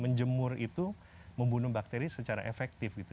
menjemur itu membunuh bakteri secara efektif gitu